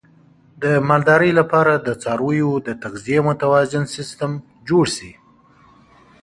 د مالدارۍ لپاره د څارویو د تغذیې متوازن سیستم جوړ شي.